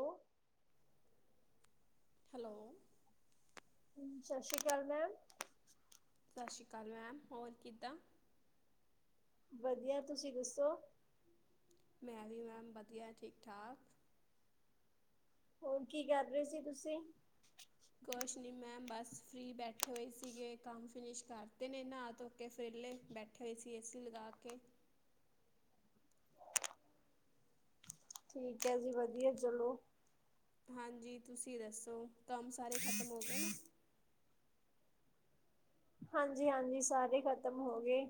ਉਹ ਹੈਲੋ। ਸਤਿ ਸ੍ਰੀ ਅਕਾਲ ਮੈਮ। ਸਤਿ ਸ਼੍ਰੀ ਅਕਾਲ ਮੈਮ ਹੋਰ ਕਿੱਦਾਂ? ਵਧੀਆ ਤੁਸੀਂ ਦੱਸੋ। ਮੈਂ ਵੀ ਮੈਮ ਵਧੀਆ ਠੀਕ ਠਾਕ। ਹੋਰ ਕੀ ਕਰ ਰਹੇ ਸੀ ਤੁਸੀਂ? ਕੁਛ ਨੀ ਮੈਮ ਬਸ ਫ੍ਰਰੀ ਬੈਠੇ ਹੋਏ ਸੀਗੇ ਕੰਮ ਫਿਨਿਸ਼ ਕਰਤੇ ਨੇ ਨਹਾ ਧੋ ਕੇ ਫਿਰਲੇ ਬੈਠੇ ਹੋਏ ਸੀ ਏਸੀ ਲਗਾ ਕੇ ਠੀਕ ਹੈ ਜੀ ਵਧੀਆ ਚਲੋ। ਹਾਂਜੀ ਤੁਸੀਂ ਦੱਸੋ? ਕੰਮ ਸਾਰੇ ਖਤਮ ਹੋ ਗਏ ਨੇ? ਹਾਂਜੀ-ਹਾਂਜੀ ਸਾਰੇ ਖਤਮ ਹੋ ਗਏ।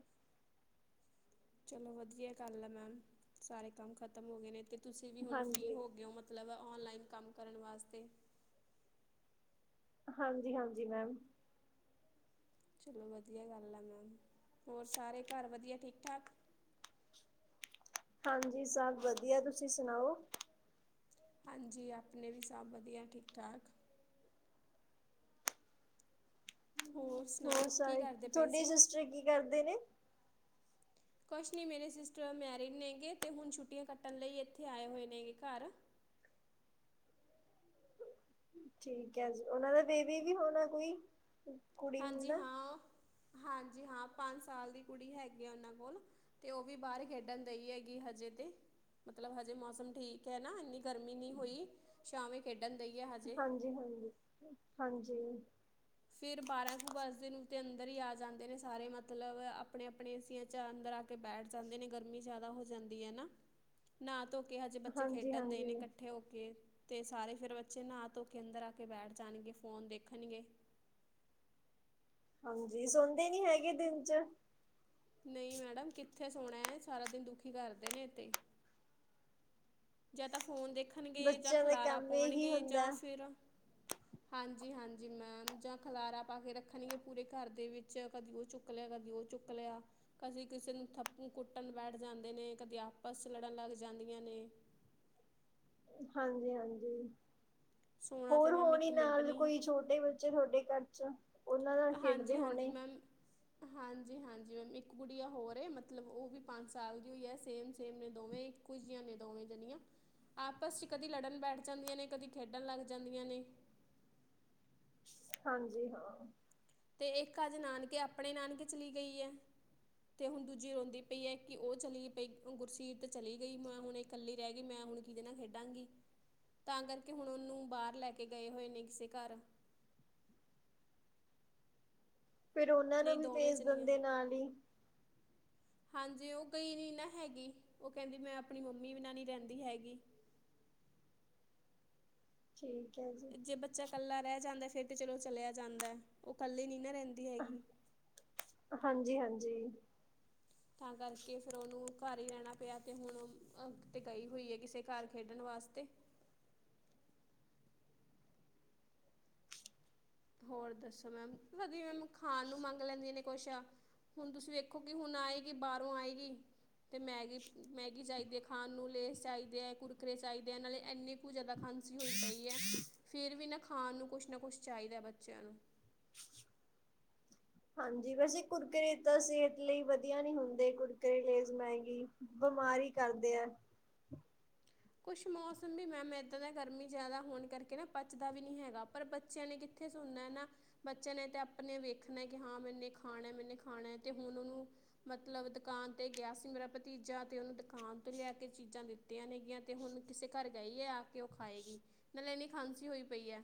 ਚਲੋ ਵਧੀਆ ਗੱਲ ਆ ਮੈਮ ਸਾਰੇ ਕੰਮ ਖਤਮ ਹੋ ਗਏ ਨੇ ਤੇ ਤੁਸੀਂ ਵੀ ਹੁਣ ਫ੍ਰਰੀ ਹਾਂਜੀ ਹੋ ਗਏ ਹੋ ਮਤਲਬ ਔਨਲਾਈਨ ਕੰਮ ਕਰਨ ਵਾਸਤੇ ਹਾਂਜੀ-ਹਾਂਜੀ ਮੈਮ ਚਲੋ ਵਧੀਆ ਗੱਲ ਆ ਮੈਮ ਹੋਰ ਸਾਰੇ ਘਰ ਵਧੀਆ ਠੀਕ ਠਾਕ ਹਾਂਜੀ ਸਭ ਵਧੀਆ ਤੁਸੀਂ ਸੁਣਾਓ? ਹਾਂਜੀ ਆਪਣੇ ਵੀ ਸਭ ਵਧੀਆ ਠੀਕ ਠਾਕ। ਹੋਰ ਸੁਣਾਓ ਕੀ ਸਾਰੇ, ਕਰਦੇ ਪਏ ਤੁਹਾਡੇ ਸੀ? ਸਿਸਟਰ ਕੀ ਕਰਦੇ ਨੇ? ਕੁਛ ਨਹੀਂ ਮੇਰੇ ਸਿਸਟਰ ਮੈਰਿਡ ਨੇਗੇ ਅਤੇ ਹੁਣ ਛੁੱਟੀਆਂ ਕੱਟਣ ਲਈ ਇੱਥੇ ਆਏ ਹੋਏ ਨੇਗੇ ਘਰ ਠੀਕ ਹੈ ਜੀ ਉਹਨਾਂ ਦਾ ਬੇਬੀ ਵੀ ਹੋਣਾ ਕੋਈ? ਕੁੜੀ ਹਾਂਜੀ ਮੁੰਡਾ ਹਾਂ ਹਾਂਜੀ ਜੀ ਹਾਂ, ਪੰਜ ਸਾਲ ਦੀ ਕੁੜੀ ਹੈਗੀ ਆ ਉਹਨਾਂ ਕੋਲ ਤੇ ਉਹ ਵੀ ਬਾਹਰ ਖੇਡਣ ਦੇਈ ਹੈਗੀ ਹਜੇ ਤੇ ਮਤਲਬ ਹਜੇ ਮੌਸਮ ਠੀਕ ਹੈ ਨਾ ਇੰਨੀ ਗਰਮੀ ਨਹੀਂ ਹੋਈ ਸ਼ਾਮ ਖੇਡ ਹਾਂਜੀ, ਹਾਂਜੀ, ਹਾਂਜੀ ਫਿਰ ਬਾਰਾਂ ਕੁ ਬਜਦੇ ਨੂੰ ਤੇ ਅੰਦਰ ਹੀ ਆ ਜਾਂਦੇ ਨੇ ਸਾਰੇ ਮਤਲਬ ਆਪਣੇ-ਆਪਣੇ ਏਸੀਆਂ ਚ ਅੰਦਰ ਆ ਕੇ ਬੈਠ ਜਾਂਦੇ ਨੇ ਗਰਮੀ ਜਿਆਦਾ ਹੋ ਜਾਂਦੀ ਹੈ ਨਾਹ ਧੋ ਕੇ ਹਜੇ ਬੱਚੇ ਹਾਂਜੀ ਖੇਡਣ ਦੇ ਹਾਂਜੀ ਨੇ ਇਕੱਠੇ ਹੋ ਕੇ ਅਤੇ ਸਾਰੇ ਫਿਰ ਬੱਚੇ ਨਹਾ ਧੋ ਕੇ ਅੰਦਰ ਆ ਕੇ ਬੈਠ ਜਾਣਗੇ ਫ਼ੋਨ ਦੇਖਣਗੇ। ਹਾਂਜੀ ਸੌਦੇ ਨੀ ਹੈਗੇ ਦਿਨ ਚ? ਨਹੀਂ ਮੈਡਮ ਕਿੱਥੇ ਸੋਣਾ ਹੈ ਸਾਰਾ ਦਿਨ ਦੁਖੀ ਕਰਦੇ ਨੇ ਏਤੇ। ਜਾਂ ਤਾਂ ਫੋਨ ਦੇ ਦੇਖਣਗੇ ਜਾਂ ਬੱਚਿਆਂ ਦਾ ਖਿਲਾਰਾ ਕੰਮ ਇਹੀ ਪਾਉਣਗੇ ਹੁੰਦਾ ਜਾਂ ਫਿਰ, ਹਾਂਜੀ-ਹਾਂਜੀ ਜ ਮੈਮ ਜਾਂ ਖਲਾਰਾ ਪਾ ਕੇ ਰੱਖਣਗੇ ਪੂਰੇ ਘਰ ਦੇ ਵਿੱਚ, ਕਦੀ ਉਹ ਚੁੱਕ ਲਿਆ, ਕਦੀ ਉਹ ਚੁੱਕ ਲਿਆ, ਕਦੀ ਕਿਸੇ ਨੂੰ ਥੱਪੂ ਕੁੱਟਣ ਬੈਠ ਜਾਂਦੇ ਨੇ, ਕਦੇ ਆਪਸ ਚ ਲੜਨ ਲੱਗ ਜਾਂਦੀਆਂ ਨੇ ਹਾਂਜੀ-ਹਾਂਜੀ ਸੋਣਾ ਤੇ ਹੋਰ ਮੈਮ ਹੋਨੇ ਇੱਕ ਮਿੰਟ ਨਾਲ ਕੋਈ ਛੋਟੇ ਬੱਚੇ ਤੁਹਾਡੇ ਘਰ ਚ ਉਹਨਾਂ ਨਾਲ ਖੇਡਦੇ ਹਾਂਜੀ-ਹਾਂਜੀ ਹੋਣੇ ਮੈਮ, ਹਾਂ ਜੀ ਹਾਂਜੀ ਮੈਮ ਇੱਕ ਗੁੜੀਆ ਹੋਰ ਏ ਮਤਲਬ ਉਹ ਵੀ ਪੰਜ ਸਾਲ ਦੀਉ ਹੋਈ ਆ, ਸੇਮ ਸੇਮ ਨੇ ਦੋਵੇ ਇੱਕੋ ਜਿਹੀਆਂ ਨੇ ਦੋਵੇ ਜਣੀਆਂ, ਆਪਸ ਚ ਕਦੀ ਲੜਨ ਬੈਠ ਜਾਂਦੀਆਂ ਨੇ ਕਦੀ ਖੇਡਣ ਲੱਗ ਜਾਂਦੀਆਂ ਨੇ। ਹਾਂਜੀ ਹਾਂ। ਤੇ ਇੱਕ ਅੱਜ ਨਾਨਕੇ, ਆਪਣੇ ਨਾਨਕੇ ਚਲੀ ਗਈ ਏ, ਤੇ ਹੁਣ ਦੂਜੀ ਰੋਂਦੀ ਪਈ ਏ, ਕਿ ਉਹ ਚਲੀ ਪਈ ਗੁਰਸੀਤ ਚਲੀ ਗਈ ਮੈਂ ਹੁਣ ਇਕੱਲੀ ਰਹਿ ਗਈ, ਮੈਂ ਹੁਣ ਕਿਹਦੇ ਨਾਲ ਖੇਡਾਂਗੀ ਤਾਂ ਕਰਕੇ ਹੁਣ ਉਹਨੂੰ ਬਾਹਰ ਲੈ ਕੇ ਗਏ ਹੋਏ ਨੇ ਕਿਸੇ ਘਰ ਫਿਰ ਉਹਨਾਂ ਨੂੰ ਨਹੀਂ ਵੀ ਦੋਵੇਂ ਭੇਜ ਜਣੀਆਂ ਦਿੰਦੇ ਨਾਲ ਹੀ। ਹਾਂਜੀ ਉਹ ਗਈ ਨੀ ਨਾ ਹੈਗੀ ਉਹ ਕਹਿੰਦੀ ਮੈਂ ਆਪਣੀ ਮੰਮੀ ਬਿਨਾਂ ਨ ਰਹਿੰਦੀ ਹੈਗੀ। ਠੀਕ। ਹੈ ਜੀ ਜੇ ਬੱਚਾ ਇਕੱਲਾ ਰਹਿ ਜਾਂਦਾ ਫੇਰ ਤੇ ਚਲੋ ਚਲਿਆ ਜਾਂਦਾ ਉਹ ਕੱਲੇ ਨੀ ਨਾ ਰਹਿੰਦੀ ਹੈਗੀ ਹਾਂਜੀ-ਹਾਂਜੀ ਤਾਂ ਕਰਕੇ ਫਿਰ ਉਹਨੂੰ ਘਰ ਹੀ ਰਹਿਣਾ ਪਿਆ ਤੇ ਹੁਣ ਉਹ ਕਿਤੇ ਗਈ ਹੋਈ ਹੈ ਕਿਸੇ ਘਰ ਖੇਡਣ ਵਾਸਤੇ। ਹੋਰ ਦੱਸੋ ਮੈਮ, ਵਧੀਆ ਮੈਮ ਖਾਣ ਨੂੰ ਮੰਗ ਲੈਂਦੀਆਂ ਨੇ ਕੁਛ ਹੁਣ ਤੁਸੀਂ ਵੇਖੋ ਕਿ ਹੁਣ ਆਏਗੀ ਬਾਹਰੋਂ ਆਏਗੀ ਤੇ, ਮੈਗੀ ਮੈਗੀ ਚਾਹੀਦੀ ਹੈ ਖਾਣ ਨੂੰ ਲੇਸ ਚਾਹੀਦੇ ਹੈ ਕੁਰਕਰੇ ਚਾਹੀਦੇ ਆ ਨਾਲੇ ਇੰਨੀ ਕੁ ਜ਼ਿਆਦਾ ਖਾਂਸੀ ਹੋਈ ਪਈ ਹੈ ਫਿਰ ਵੀ ਨਾ ਖਾਣ ਨੂੰ ਕੁਛ ਨਾ ਕੁਛ ਚਾਹੀ ਦਾ ਬੱਚਿਆਂ ਨੂੰ। ਹਾਂਜੀ ਵੈਸੇ ਕੁਰਕਰੇ ਤਾਂ ਸਿਹਤ ਲਈ ਵਧੀਆ ਨਹੀਂ ਹੁੰਦੇ ਕੁਰਕਰੇ, ਲੇਜ਼, ਮੈਗੀ ਬੀਮਾਰ ਹੀ ਕਰਦੇ ਏ। ਕੁਛ ਮੌਸਮ ਵੀ ਮੈਮ ਏਦਾਂ ਦਾ ਗਰਮੀ ਜ਼ਿਆਦਾ ਹੋਣ ਕਰਕੇ ਨਾ ਪਚਦਾ ਵੀ ਨੀ ਹੈਗਾ। ਪਰ ਬੱਚਿਆਂ ਨੇ ਕਿੱਥੇ ਸੁਣਨਾ ਨਾ, ਬੱਚਿਆਂ ਨੇ ਤੇ ਆਪਣੇ ਵੇਖਣਾ ਕਿ ਹਾਂ ਮੈਨੇ ਖਾਣਾ ਮੈਨੇ ਖਾਣਾ, ਤੇ ਹੁਣ ਉਹਨੂੰ ਮਤਲਬ ਦੁਕਾਨ ਤੇ ਗਿਆ ਸੀ ਮੇਰਾ ਭਤੀਜਾ ਤੇ ਓਨੂੰ ਦੁਕਾਨ ਤੋਂ ਲਿਆ ਕੇ ਚੀਜ਼ਾਂ ਦਿੱਤੀਆਂ ਨੇਗੀਆਂ। ਤੇ ਹੁਣ ਕਿਸੇ ਘਰ ਗਈ ਹੈ ਆ ਕੇ ਉਹ ਖਾਏਗੀ ਨਾਲ ਇੰਨੀ ਖਾਂਸੀ ਹੋਈ ਪਈ ਐ।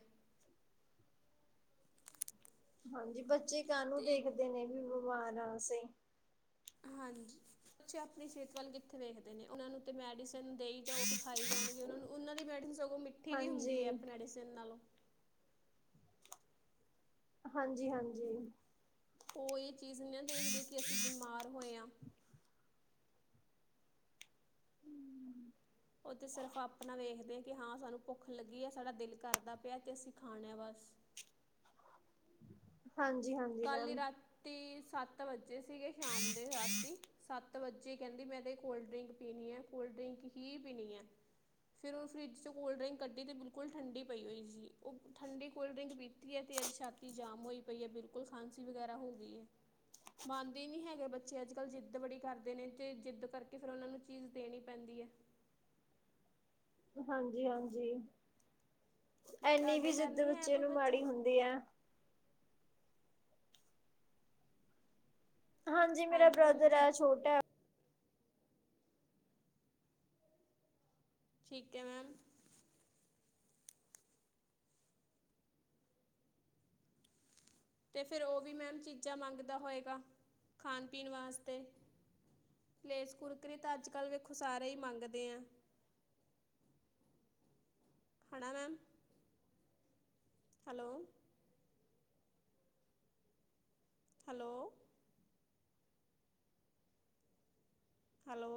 ਹਾਂਜੀ ਬੱਚੇ ਕਾਨੂੰ ਤੇ ਦੇਖਦੇ ਨੇ ਵੀ ਓ ਵਾਅ ਨਾਲ ਸੀ। ਹਾਂਜੀ ਬੱਚੇ ਆਪਣੀ ਸਿਹਤ ਵੱਲ ਕਿੱਥੇ ਵੇਖਦੇ ਨੇ ਉਹਨਾਂ ਨੂੰ ਤੇ ਮੈਡੀਸ ਨ ਦੇਈ ਜਾਓ ਖਾਈ ਜਾਣਗੇ। ਉਹ ਨੂੰ ਉਹਨਾਂ ਦੀ ਮੈਡੀਸਨ ਸਗੋਂ ਮਿੱਠੀ ਵੀ ਹਾਂਜੀ ਹੁੰਦੀ ਹੈ ਆਪਣੀ ਮੈਡੀਸਨ ਨਾਲੋਂ। ਹਾਂਜੀ-ਹਾਂਜੀ ਉਹ ਇ ਚੀਜ਼ ਨਾ ਦੇਖਦੇ ਕਿ ਅਸੀਂ ਬਿਮਾਰ ਹੋਏ ਹਾਂ ਉਹ ਤੇ ਸਿਰਫ ਆਪਣਾ ਵੇਖਦੇ ਏ, ਕਿ ਹਾਂ ਸਾਨੂੰ ਭੁੱਖ ਲੱਗੀ ਹੈ ਸਾਡਾ ਦਿਲ ਕਰਦਾ ਪਿਆ ਤੇ ਅਸੀਂ ਖਾਣਾ ਆ ਬਸ। ਹਾਂਜੀ ਹਾਂਜੀ ਕੱਲ੍ਹ ਹੀ ਮੈਮ ਰਾਤੀ ਸੱਤ ਵਜ ਜੇ ਸੀਗੇ ਸ਼ਾਮ ਦੇ ਰਾਤੀ ਸੱਤ ਵੱਚੀ ਕਹਿੰਦੀ ਮੈਂ ਤੇ ਕੋਲਡ ਡਰਿੰਕ ਪੀਣੀ ਹੈ ਕੋਲਡ ਡਰਿੰਕ ਹੀ ਪੀਣੀ ਹੈ, ਫਿਰ ਉਹ ਫਰਿੱਜ ਚ ਕੋਲਡ ਡਰਿੰਕ ਕੱਢੀ ਤੇ ਬਿਲਕੁਲ ਠੰਡੀ ਪਈ ਹੋਈ ਸੀ, ਉਹ ਠੰਡੀ ਕੋਲਡ ਡਰਿੰਕ ਪੀਤੀ ਹੈ ਤੇ ਅੱਜ ਛਾਤੀ ਜਾਮ ਹੋਈ ਪਈ ਹੈ ਬਿਲਕੁ ਕੋਲਡ ਖਾਂਸੀ ਵਗੈਰਾ ਹੋ ਗਈ ਏ। ਮੰਨਦੇ ਨੀ ਹੈਗੇ ਬੱਚੇ ਅੱਜ ਕੱਲ੍ਹ ਜਿੱਦ ਬੜੀ ਕਰਦੇ ਨੇ ਤੇ ਜਿੱਦ ਕਰਕੇ ਫਿਰ ਉਹਨਾਂ ਨੂੰ ਚੀਜ਼ ਦੇਣੀ ਪੈਂਦੀ ਏ। ਹਾਂਜੀ ਹਾਂਜੀ ਇਨੀ ਤੁਹਾਡੇ ਵੀ ਘਰ ਜਿੱਦ ਨਹੀਂ ਹੈ ਬੱਚੇ ਕੋਈ ਨੂੰ ਬੱਚਾ ਮਾੜੀ ਹੁੰਦੀ ਹੈ। ਹਾਂਜੀ ਮੇਰਾ ਮੈਮ ਬ੍ਰਦਰ ਜੀ ਹੈ ਛੋਟਾ ਏ। ਠੀਕ ਹੈ ਮੈਮ ਤੇ ਫਿਰ ਉਹ ਵੀ ਮੈਮ ਚੀਜ਼ਾਂ ਮੰਗਦਾ ਹੋਏਗਾ, ਖਾਣ ਪੀਣ ਵਾਸਤੇ, ਲੇਸ ਕੁਰਕੁਰੇ ਤਾਂ ਅੱਜ ਕੱਲ੍ਹ ਵੇਖੋ ਸਾਰੇ ਹੀ ਮੰਗਦੇ ਏਂ। ਹੜਾ ਮੈਮ ਹੈਲੋ ਹੈਲੋ ਹੈਲੋ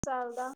ਕੀ ਚੱਲਦਾ